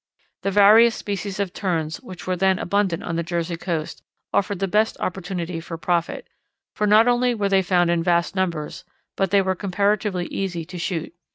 The various species of Terns, which were then abundant on the Jersey coast, offered the best opportunity for profit, for not only were they found in vast numbers, but they were comparatively easy to shoot.